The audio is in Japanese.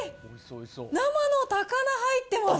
生の高菜入ってます。